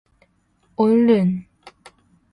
얼른!